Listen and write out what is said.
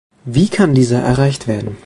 Wie kann dieser erreicht werden?